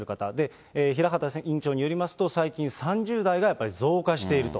平畑院長によりますと、最近、３０代がやっぱり増加していると。